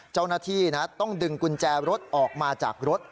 เจ้าหน้าที่ต้องดึงกุญแจรถออกมาจากรถ